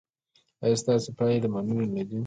ایا ستاسو پایلې د منلو نه دي؟